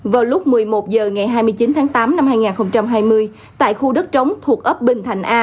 vào lúc một mươi một h ngày hai mươi chín tháng tám năm hai nghìn hai mươi tại khu đất trống thuộc ấp bình thành a